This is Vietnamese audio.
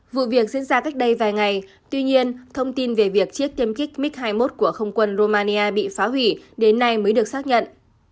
vụ việc diễn ra cách đây vài ngày tuy nhiên thông tin về việc chiếc tiêm kích mig hai mươi một của không quân romania bị phá hủy đến nay mới được xác nhận